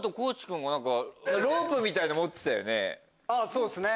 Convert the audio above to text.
そうっすね！